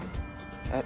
えっ。